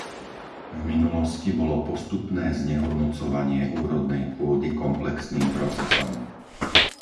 V minulosti bolo postupné znehodnocovanie úrodnej pôdy komplexným procesom.